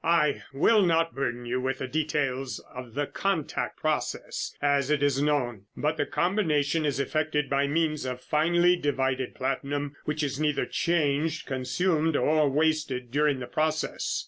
I will not burden you with the details of the 'contact' process, as it is known, but the combination is effected by means of finely divided platinum which is neither changed, consumed or wasted during the process.